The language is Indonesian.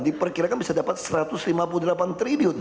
diperkirakan bisa dapat satu ratus lima puluh delapan triliun